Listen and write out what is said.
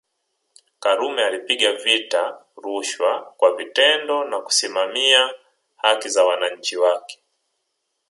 Karume alipiga vita rushwa kwa vitendo na kusimamia haki za wananchi wake